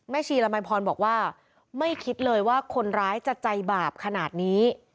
ชีละมัยพรบอกว่าไม่คิดเลยว่าคนร้ายจะใจบาปขนาดนี้